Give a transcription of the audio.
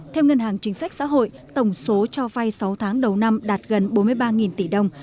theo ngân hàng chính sách xã hội tổng số cho vay sáu tháng đầu năm đạt gần bốn mươi ba tỷ đồng